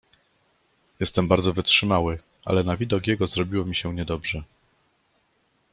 "Jestem bardzo wytrzymały, ale na widok jego zrobiło mi się niedobrze."